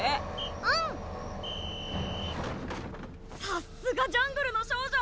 さっすがジャングルの少女！